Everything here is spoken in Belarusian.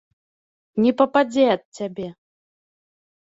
Не пападзе ад цябе!